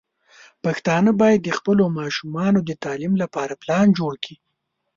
پښتانه بايد د خپلو ماشومانو د تعليم لپاره پلان جوړ کړي.